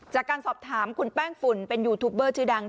จากการสอบถามคุณแป้งฝุ่นเป็นยูทูปเบอร์ชื่อดัง